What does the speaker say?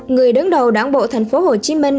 người đứng đầu đảng bộ thành phố hồ chí minh